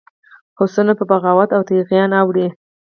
هوسونه په بغاوت او طغیان اوړي.